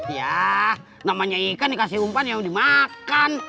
ya namanya ikan dikasih umpan yang dimakan